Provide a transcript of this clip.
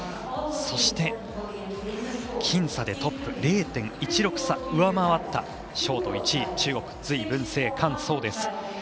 そして、僅差でトップ０．１６差、上回ったショート１位中国の隋文静、韓聡です。